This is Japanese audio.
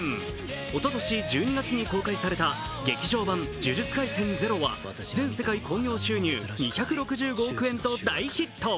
おととし１２月に公開された「劇場版呪術廻戦０」は全世界興行収入２６５億円と大ヒット。